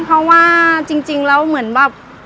เพราะว่าจริงเราเหมือนว่า